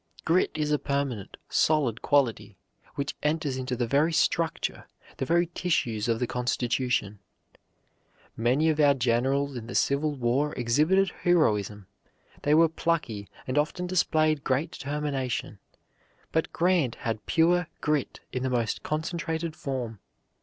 Grit is a permanent, solid quality, which enters into the very structure, the very tissues of the constitution. Many of our generals in the Civil War exhibited heroism; they were "plucky," and often displayed great determination, but Grant had pure "grit" in the most concentrated form.